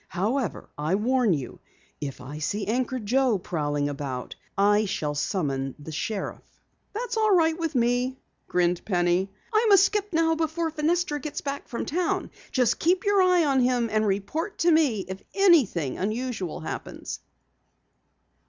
However, I warn you, if I see Anchor Joe prowling about, I shall summon the sheriff." "That's all right with me," grinned Penny. "I must skip now before Fenestra gets back from town. Just keep your eye on him and report to me if anything unusual happens."